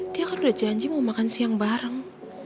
dia kan udah janji mau makan siang bareng